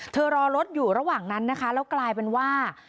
รอรถอยู่ระหว่างนั้นนะคะแล้วกลายเป็นว่า